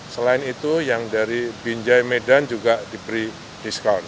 selain itu yang dari binjai medan juga diberi diskon